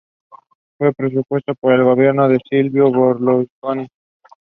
James Walters of Uxbridge.